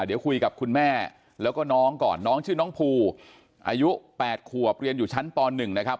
เดี๋ยวคุยกับคุณแม่แล้วก็น้องก่อนน้องชื่อน้องภูอายุ๘ขวบเรียนอยู่ชั้นป๑นะครับ